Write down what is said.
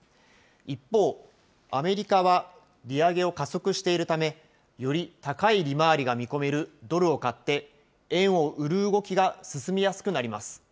一方、アメリカは利上げを加速しているため、より高い利回りが見込めるドルを買って、円を売る動きが進みやすくなります。